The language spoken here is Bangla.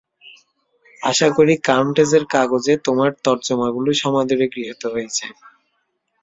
আশা করি কাউণ্টেস-এর কাগজে তোমার তর্জমাগুলি সমাদরে গৃহীত হয়েছে।